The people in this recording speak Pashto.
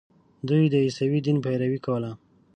دوی د عیسوي دین پیروي کوله.